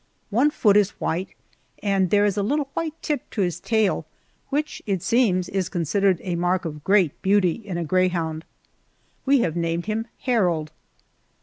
One foot is white, and there is a little white tip to his tail, which, it seems, is considered a mark of great beauty in a greyhound. We have named him Harold.